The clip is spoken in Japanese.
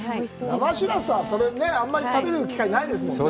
生しらすは、あんまり食べる機会ないですもんね。